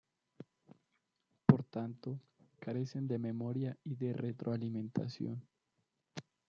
Por tanto, carecen de memoria y de retroalimentación.